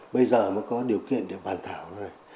bây giờ mới có điều kiện để bàn thảo rồi